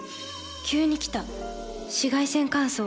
急に来た紫外線乾燥。